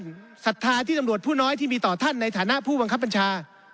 ศรัทธาที่ตำรวจผู้น้อยที่มีต่อท่านในฐานะผู้บังคับบัญชา